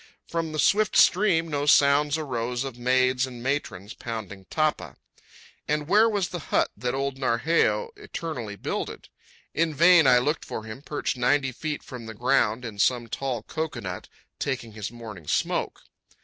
From the swift stream no sounds arose of maids and matrons pounding tapa. And where was the hut that old Narheyo eternally builded? In vain I looked for him perched ninety feet from the ground in some tall cocoanut, taking his morning smoke.